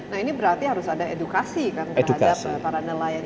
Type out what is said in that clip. nah ini berarti harus ada edukasi kan terhadap para nelayan